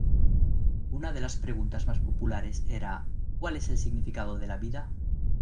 Una de las preguntas más populares era "cuál es el significado de la vida?".